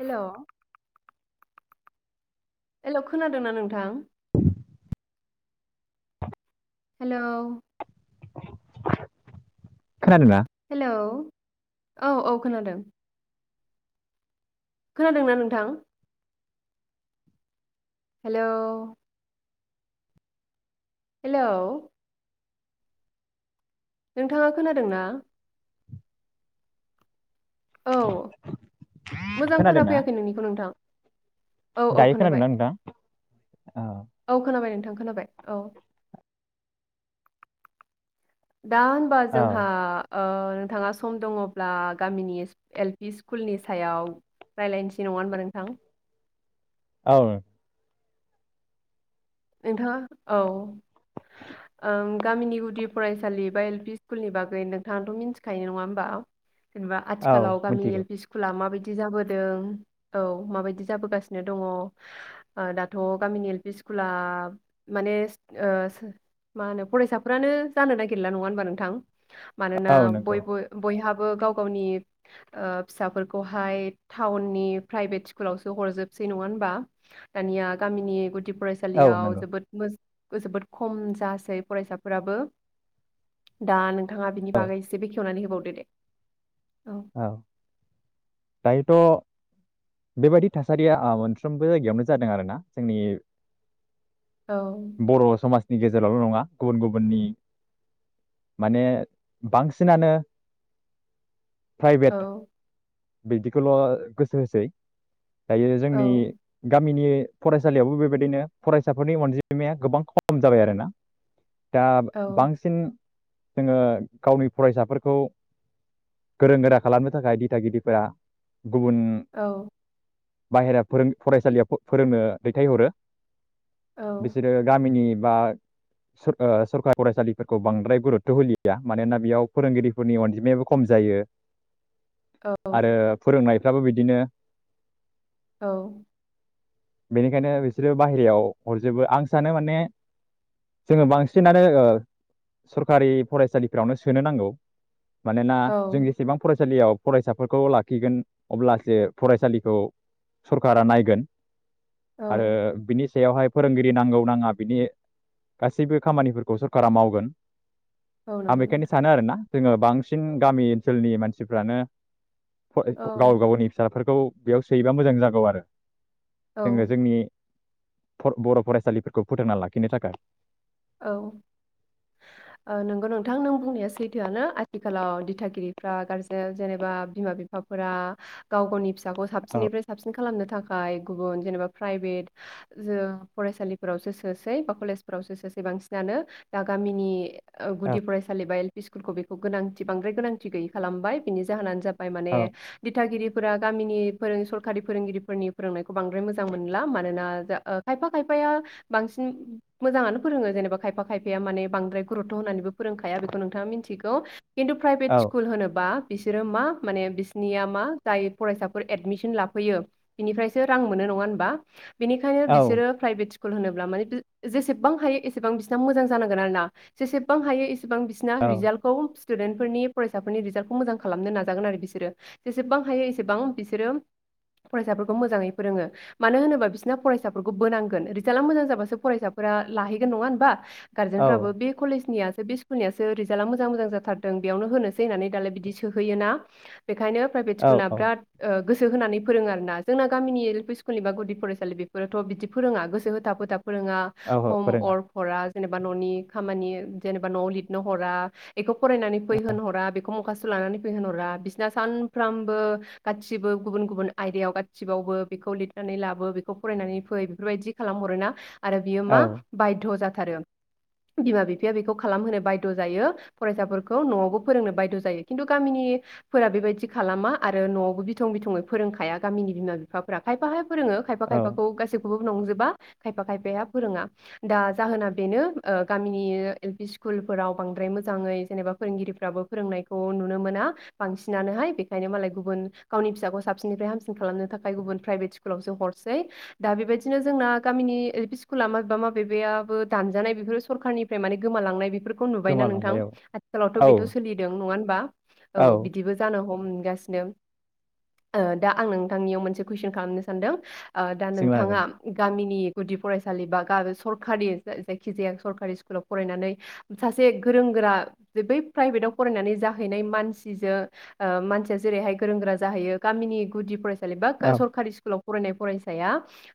हेल' हेल' खोनादोंना नोंथां? हेलौ खोनादोंना हेलौ औ औ खोनादों। खोनादोंना नोंथां? हेलौ हेलौ नोंथाङा खोनादों ना? औ मोजां खोनादोंना खोनाफैयाखै नोंनिखौ नोंथां औ औ दायो खोनादोंना खोनाबाय। नोंथां औ औ खोनाबाय नोंथां। खोनाबाय औ। दा होनबा औ जोंहा ओ नोंथाङा सम दङब्ला गामिनि एल पि स्कुलनि सायाव रायज्लायनोसै नङा होनबा नोंथां। औ नोंथाङा औ ओं गामिनि गुदि फरायसालि बा एल पि स्कुलनि बागै नोंथाङाथ' मिथिखायो नङा होमबा? जेनेबा औ आथिखालाव गामि एल मिथिगौ पि स्कुला माबायदि। बि जाबोदों औ माबायदि जाबोगासिनो दङ दाथ गामिनि एल पि स्कु ब्ला माने ओ मा होनो फरायसाफ्रानो जानो नागिरला नङा होनबा नोंथां। मानोना औ नंगौ बयबो बयहाब गाव गावनि ओ फिसाफोरखौहाय टाउननि प्राइभेट स्कुलावसो हरजोबसै नङा हबा दानिया गामिनि गुदि फर औ सालियाव नंगौ जोबोद मो जोबोद खम जासै फरायसाफोराबो दा नों थाङा बिनि औ बागैसे बेखेवनानै होब बावदो दे औ दायोथ' बेबायदि थासारिया ओ मोनफ्रोमबो जायगायावनो जादों आरोना जोंनि औ बर' समाज नि गेजेरावल' नङा गुबुन गुबुननि माने बांसिनानो औ प्राइभेट बिदिखौल' गोसो होसै दायो औ जोंनि गामिनि फरायसालियावबो बेबायदिनो फरायसाफोरनि अनजिमाया गोबां खम जाबाय आरोना दा औ बांसिन जोङो गावनि फरायसाफोरखौ गोरों गोरा खालामनो थाखाय दिथागिरिफोरा गुबुन औ बाहेरा फोरों फरायसालियाव फोरोंनो दैथायहरो औ बिसोरो गामिनि बा सर ओ सरकार फरायसालिफोरखौ बांद्राय गुरुदथ' होलिया मानोना बेयाव फोरोंगिरिफोरनि अनजिमायाबो खम जायो आरो फोरोंनाय फ्राबो बिदिनो औ बेनिखायनो बिसोरो बाहेरायाव हरजोबो आं सानो माने जोङो बांसिनानो ओ सरखारि फरायसालिफ्रावनो सोनो नांगौ माने ना औ जोंनि फरायसालियाव फरायसाफोरखौ लाखिगोन अब्लासो फरायसालिखौ सरकारा नायगोन औ आरो बिनि सायावहाय फोरोंगिरि नांगौ नाङा बिनि गासैबो खामानिफोरखौ सरकारा मावगोन औ आं नंगौ बेखायनो नोंथां सानो आरो ना जोङो बांसिन गामि ओनसोलनि मानसिफ्रानो गाव गावनि फिसाफोरखौ बेयाव सोयोबा मोजां जागौ आरो औ जोङो जोंनि बर' फरायसालिफोरखौ फोथांना लाखिनो थाखाय औ ओ नंगौ नोंथां नों बुंनाया सैथोआनो आथिखालाव दिथागिरिफ्रा गारजेन जेनेबा बिमा बिफाफोरा गाव गावनि फि फिसाखौ औ साबसिनिफ्राय साबसिन खालामनो थाखाय थाखाय गुबुन जेनेबा प्राइभेट ओ फरायसालिफोरावसो सोसै बा कलेजफोरावसो सोसै सै बांसिनानो दा गामिनि ओ औ गुदि फरायसालि बा इसकुलखौ बेखौ गोनांथि बांद्राय गोनांथि गैयै खालामबाय बिनि जाहोनानो जाबाय माने औ दिथागिरि फोरा गामिनि फोरों सरकारि फोरोंगिरिफोरनि फोरोंनायखौ बांद्राय मोजां मोनला मानोना खायफा खायफाया बांसिन मोजांनो फोरोङो जेनेबा खायफा खायफाया माने बांद्राय गुरुतथ' होननानैबो फोरोंखाया बेखौ नोंथाङा मोनथिगौ खिन्थु औ प्राइभेट स्कुल होनोबा बिसोरो मा माने बिसनिया मा जाय फरायसाफोर एदमिसन लाफैयो बिनिफ्रायसो रां मोनो नङा होनबा बिनिखाय औ बिसोरो प्राइभेट स्कुल स्कुल होनोब्ला माने जेसेबां हायो एसेबां बिसोरना मोजां जानांगोन आरो ना जेसेबां हायो बिसिबां बिसिना औ रिजाल्टखौ स्टुदेन फोरनि फरायसाफोरनि रिजाल्टखौ मोजां खालामनो नाजागोन आरो बिसोरो जेसेबां हायो एसेबां बिसोरो फरायसाफोरखौ मोजै फोरङो मानो होनोबा बिसोरना फरायसाफोरखौ बोनांगोन रिजाला मोजां जाब फ नङा होनबा औ गार्जेनफ्राबो बे कलेजनिया बे स्कुलनियासो रिजाल्टा मोजां मोजां जाथारदों बेयावनो होनोसै होननानै दालाय बिदि सोहैयोना बेखायनो प्राइभेट औ स्कुलना बिराद ओ गोसो होनानै फोरोङो आरो ना जोंना गामिनि एल पि स्कुनिबा गुदि फरायसालि बेफोरोथ' बिदि फोरोङा गोसो होथाब होथाब फरोंआ औ औ हम फोरोङा अर फरा जेनेबा न'नि खामानि जेनेबा न'आव लिरनो हरा एखौ फरायनानै फै होन हरा बेखौ माखासथ बेखौ लानानै फैहहरा बिसना सानफ्रामबो गासिबो गुबुन गुबुन आयदायाव गासिबावबो बेखौ लिरनानै लाबो बेखौ फरायनानै फै बेफोरबायदि खालाम हरोना आरो बेयो मा औ बायद जाथारो बिमा बिफाया बेखौ खालामहोनो बायद जायो फरायसाफोरखौ न'आवबो फोरोंनो बायद जायो खिनथु गामिनि फोरा बेबायदि खालामा आरो न'आव बिथं बिथङै फोरोंखाया गामिनि बिमा बिफाफोरा खायफाया फोरोङो खायफा औ खायफाखौ गाैसैखोबो बे नंजोबा खायफा खायफाया फोरोङा दा जाहोना बेनो ओ गामिनि एल पि स्कुलफोराव बांद्राय मोजाङै जेनेबा फोरोंगिरिफ्राबो फोरोंनायखौ नुनो मोना बांसिनानोहाय बेखायनो मालाय गुबुन गावनि फिसाखौ साबसिननिफ्राय हामसिन खालामनो थाखाय गुबुन प्राइभेट स्कुलावसो हरसै दा बेबायदिनो जोंना गामिनि एल पि स्कुला माबेबा मा बेबाबो दानजानाय बेफोर सरखारनिफ्राय माने गोमालांनाय बेफोरफोरखौ खौ नुबाय नोंथां गोमालांबाय औ आथिलावथ' औ बेथ' सोलिदों नङा होन बा औ बिदिबो जानो हमगासिनो ओ दा आं नोंथांनियाव मोनसे कुइसन खालामनो सानदों दा सोंनो हागोन नोंथाङा दे गामिनि गुदि फरायसालि बा गारस सरकारि जायखि जाया सरकारि स्कुलाव फरायनानै सासे गोरों गोरा बै प्राइभेटाव फरायनानै जाहैनाय मानसिजों ओ मानसिया जेरैहाय गोरों गोरा जाहैयो गामिनि गुदि फरायसा सालि बा औ सरकारि स्कुलाव फरायनाय फरायसाया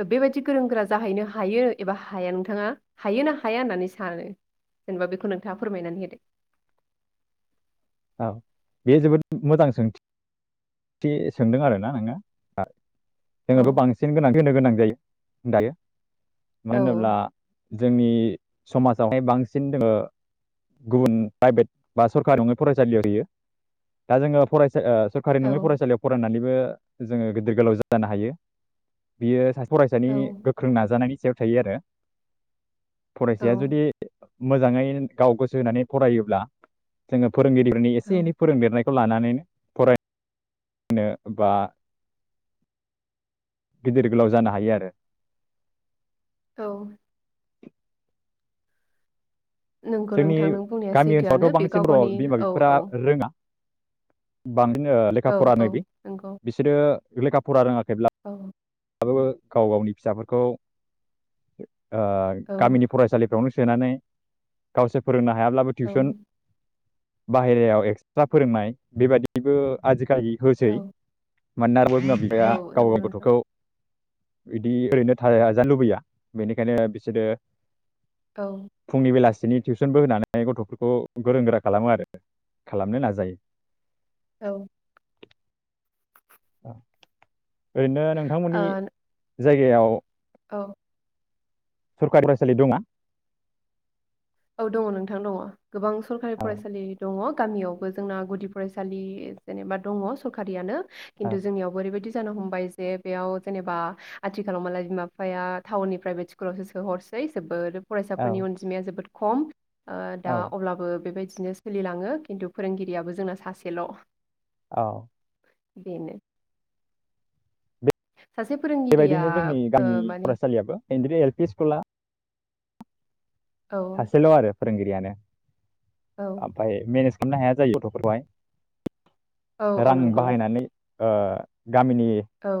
ओ बेबायदि गोरों गोरा जाहैनो हायो एबा हाया नोंथाङा हायो ना हाया होननानै सानो जेनेबा बेखौ नोंथाङा फोरमायनानै होदो। औ बे जोबोद मोजां सोंथि थि सोंदों आरोना नोङो ओ। जोङोथ औ बांसिन गोनांथि होनो गोनां जायो। दायो मानो औ होनोब्ला जोंनि समाजावहाय बांसिन दोङो गुबुन प्राइभेट बा सरकारिआवनो फरायसालियाव होयो दा जोङो फराय ओ सरकारि नङै औ फरायसालियाव फरायनानैबो जोङो गिदिर गोलाव जानो हायो बियो सासे फरायसानि औ गोख्रों नाजानायनि जो थायो आरो औ फरायसाया जुदि मोजाङै गाव गोसो होनानै फरायोब्ला जोङो फोरोंगिरिफोरनि औ एसे एनै फोरोंदेरनाय खौ लानानैनो फराय होनो बा गिदिर गोलाव जानो हायो आरो औ नोंगौ जोंनि नोंथां नों बुंनाया गामि सैथोआनो ओनसोलावथ' बे गाव बांसिन र' गावनि बिमा औ बिफाफोरा औ रोङा बांसिनो लेखा औ फरानो औ बि नंगौ बिसोरो लेखा फरा रोङा औ बो गाव गावनि फिसाफोरखौ आ औ गामिनि फरायसालिफ्रावनो सोनानै गावसे फोरोंनो हायाब्लाबो औ टिउसन बाहेरायाव एक्सट्रा फोरोंनाय बेबायदिबो आजिखालि होसै औ मानोना बयबो बिमा बिफाया औ गाव नंगौ गावनि नोंथां गथ'खौ बिदि ओरैनोथाजानो लुबैया बेनिखायनो बिसोरो औ फुंनि बेलासि टिउसनबो होनानै गथ'फोरखौ गोरों गोरा खालामो आरो खालामनो नाजायो औ [inaudible] ओरैनो नोंथांमोननि जायगायाव औ सरकारि फरायसालि दंना औ दङ नोंथां दङ गोबां सरकारि औ फरायसालि दङ गामियावबो जोंना गुदि फरायसालि जेनेबा दङ सरकारियानो खिन्थु जोंनियाव बो ओरैबायदि जानो हमबाय जे बेयाव जेनेबा आथिखालाव मालाय बिमा बिफाया टाउननि प्राइभेट स्कुलावसो सोहरसै जोबोद औ फरायसाफोरनि अनजिमाया जोबोद खम ओ दा औ अब्लाबो बेबायदि बिदिनो सोलिलाङो खिन्थु फोरोंगिरियाबो जोंना सासेल' औ बेनो सासे फोरोंगिरिया बेबायदिनो जोंनि ओ गामि माने फरायसालियाबो एनद्रि एल पि स्कुला औ सासेल' आरो फोंरोंगिरियानो औ आमफाय मेेनेस खालामनो हाया जायो औ गथ'फोरखौहाय औ रां नंगौ बाहायनानै आ गामिनि औ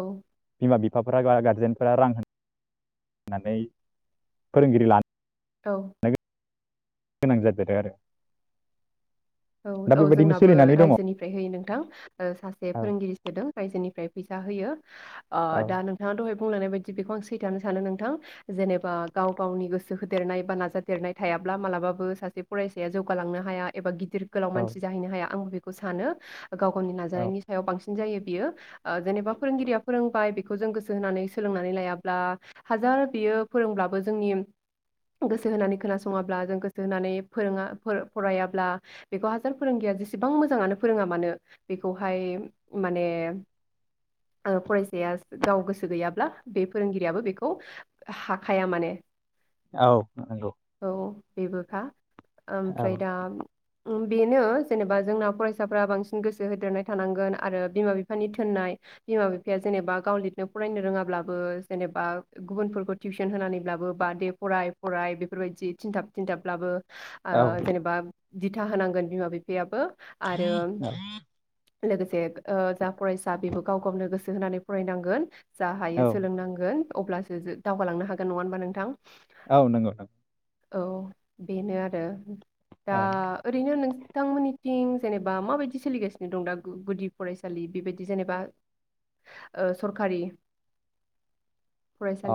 बिमा बि फाफोरा गारजेनफोरा रां होनानै फोरोंगिरि लानो औ‌ गोनां जादेरो आरो औ दा औ बेबायदिनो जोंनाबो सोलिनानै दङ औ रायजोनिफ्राय होयो नोंथां अ सासे फोरोंगिरि सोदों रायजोनिफ्राय फैसा होयो आ औ दा नोंथाङा दहाय बुंलांनाय बायदि बेखौ आं सैथानो सानो नोंथां जेनेबा गाव गावनि गोसो होदेरनाय बा नाजादेरनाय थायाब्ला मालाबाबो सासे फरायसाया जौगालांनो हाया एबा गिदिर गोलाव औ मानसि जाहैनो हाया आं बेखौ खौ सानो गाव गावनि औ नाजानायनि सायाव बांसिन जायो बियो आ जेनेबा फोरोंगिरिया फोरोंबाय बेखौ जों गोसो होनानै सोलोंनानै लायाब्ला हाजार बियो फोरोंब्लाबो जोंनि गोसो होनानै खोनासङाब्ला जों गोसो होनानै फोरोङा फरायाब्ला बेखौ हाजार फोरोंगिरिया जेसेबां मोजाङानो फोरोङा मानो बेखौहाय माने अ फरायसाया गाव गोसो गैयाब्ला बे फोरोंगिरियाबो बेखौ हाखाया माने। औ नंगौ। औ बेबोखा औ ओमफ्राय दा बेनो जेनेबा जोंना फरायसाफोरा बांसिन गोसो होदेरनाय थानांगोन आरो बिमा बिफानि थिनाय बिमा बिफाया जेनेबा गाव लिरनो फरायनो रोङाब्लाबो जेनेबा गुबुनफोरखौ टिउसन होनानैब्लाबो बा दे फराय फराय बेफोरबायदि थिनथाब थिनथाबब्लाबो आ औ जेनेबा दिथा होनांगोन बिमा बिफायाबो। आरो लोगोसे ओ जा फरायसा बेबो गाव गावनो गोसो होनानै फरायनांगोन। जा हायो औ सोलोंनांगोन। अब्लासो जों दावगालांनो हागोन नङा होनबा नोंथां। औ नंगौ नंगौ औ बेनो आरो। औ एरैनो नोंथांमोननिथिं जेनेबा मााबायदि सोलिगासिनो दं दा गुदि फरायसालि बेबायदि जेनेबा ओ सरखारि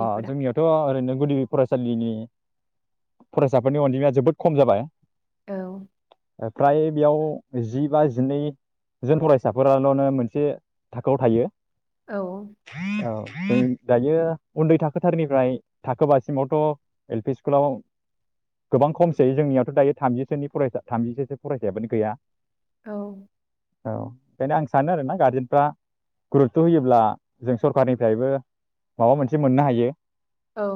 अ जोंनियावथ ओरैनो गुदि फरायसालिनि फरायसाफोरनि अनजिमाया जोबोद खम जाबाय। औ फ्राय बेयाव जि बा जिनैजोन फरायसाफोराल'नो मोनसे थाखोआव थायो। औ औ दायो उन्दै थाखोथारनिफ्राय थाखोबासिमावथ एल पि स्कुलाव गोबां खमसै जोंनियावथ दायो थामजिसोनि फरायसा थामजिससो फरायसायाबानो गैया। औ खायनो आं सानो आरोना गारजेनफ्रा गुरुतथ होयोब्ला जों सरखारनिफ्रायबो माबा मोनसे मोननो हायो। औ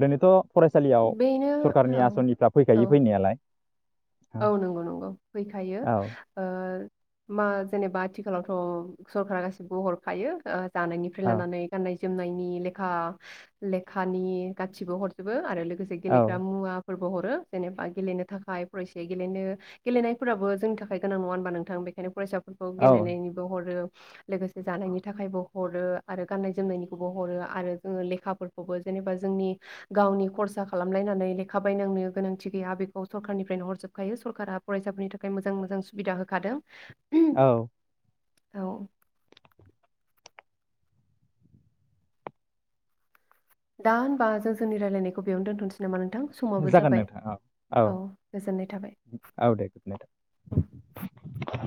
ओरैनोथ फरायसालियाव बेनो औ सरखारारनि आसनिफ्रा औ फैखायो फैनायालाय। औ नंगौ नंगौ फैखायो ओ मा जेनेबा आथि ओनसोलावथ सरकारा गासिबो हरखायो ओ जानायनिफ्राय औ लानानै गाननाय जोमनायनि लेखा लेखानि गासिबो हरजोबो आरो से औ गेलेग्रा मुवा फोरबो हरो जेनेबा गेलेनो थाखाय फरायसाया गेलेनो गेलेनायफोराबो जोंनि थाखाय गोनां नङा होनबा नोंथां बेखायनो फरायसा बेखौ औ गेलेनायनिबो हरो लोगोसे जानायनि थाखायबो हरो आरो गान्नाय जोमनायनिखौबो हरो आरो जोङो लेखाफोरखौबो जेनेबा जोंनि गावनि खरसा खालामलायनानै लेखा बायनांनो गोनांथि गैया बेखौ सरकारनि नो हरजोबखायो सरकारा फरायसाफोरनि थाखाय मोजां मोजां सुबिदा होखादों औ औ दा होनबा जों जोंनि रायजलायनायखौ बेयावनो दोनथनोसै नामा नों जागोन नोंथां औ गोजोननाय थाबाय औ औ दे गुड नाइथ।